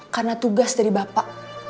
karena tugas dari bapak